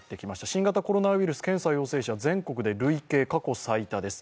新型コロナウイルス検査陽性者全国で累計、過去最多です。